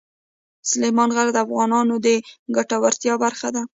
سلیمان غر د افغانانو د ګټورتیا برخه ده.